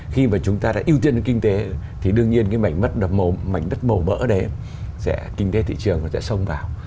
khi mà chúng ta đã ưu tiên cho kinh tế thì đương nhiên cái mảnh mất mảnh đất mổ mỡ đấy sẽ kinh tế thị trường sẽ sông vào